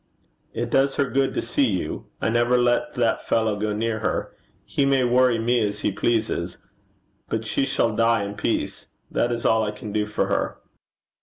'It does her good to see you. I never let that fellow go near her. He may worry me as he pleases; but she shall die in peace. That is all I can do for her.'